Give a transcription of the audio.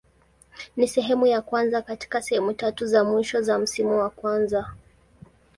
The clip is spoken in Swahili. Ni sehemu ya kwanza katika sehemu tatu za mwisho za msimu wa kwanza.